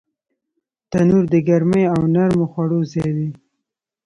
تنور د ګرمۍ او نرمو خوړو ځای دی